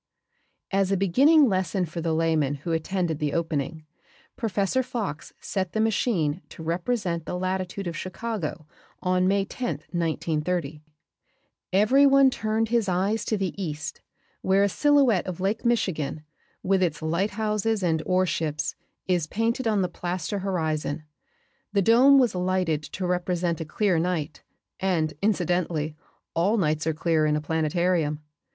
As a beginning lesson for the layman who attended the opening, Professor Fox set the machine to represent the latitude of Chicago on May 10, 1930. Every one turned his eyes to the east, where a silhouette of Lake Michigan, with its lighthouses and ore ships, is painted on the plaster horizon. The dome was lighted to represent a clear night, and, incidentally, all nights are clear in a planetarium.